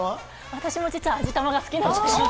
私も実は味玉が好きなんです。